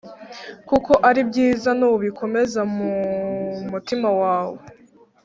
kuko ari byiza nubikomeza mu mutima wawe,